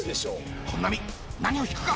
本並何を引くか？